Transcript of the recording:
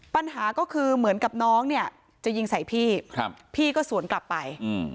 ปัญหาก็คือเหมือนกับน้องเนี่ยจะยิงใส่พี่พี่ก็สวนกลับไป